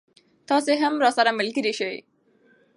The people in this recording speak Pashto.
تاسې هم راسره ملګری شئ.